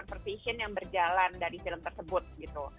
artinya ada conversation yang berjalan dari film tersebut gitu